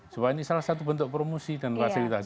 soalnya salah satu bentuk promosi dan fasilitas